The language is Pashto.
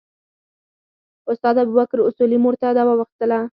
استاد ابوبکر اصولي مور ته دوا اخیستله.